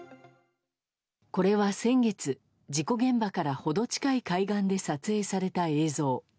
これは先月、事故現場から程近い海岸で撮影された映像。